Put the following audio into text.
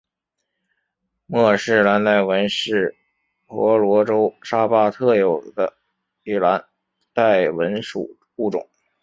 莫氏蓝带蚊是婆罗洲沙巴特有的的蓝带蚊属物种。